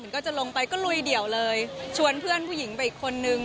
ก็จะลงไปก็ลุยเดี่ยวเลยชวนเพื่อนผู้หญิงไปอีกคนนึง